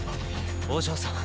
お嬢さん。